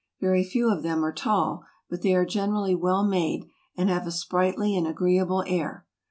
Very few of them are tall, but they are generally well made, and have a sprightly and agreeable air.